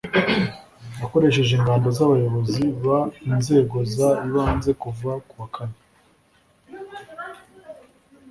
Yakoresheje ingando z Abayobozi b Inzego z Ibanze kuva ku wa kane